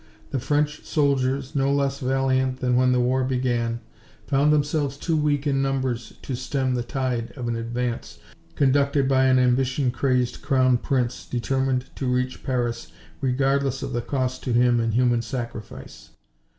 The French soldiers, no less valiant than when the war began, found themselves too weak in numbers to stem the tide of an advance conducted by an ambition crazed Crown Prince determined to reach Paris regardless of the cost to him in human sacrifice.